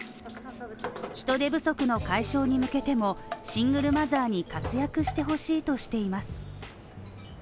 人手不足の解消に向けても、シングルマザーに活躍してほしいとしています。